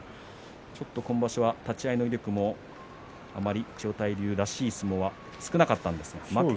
ちょっと今場所は立ち合いの威力も、あまり千代大龍らしい相撲は少なかったです。